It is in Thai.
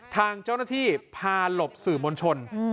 ทางเจ้าหน้าที่พาหลบสื่อมวลชน